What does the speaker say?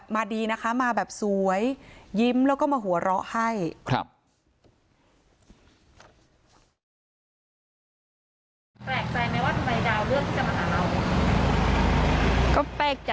มีมาหาเพื่อนคนอื่นมั้ยครับ